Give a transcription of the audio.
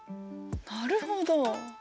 なるほど！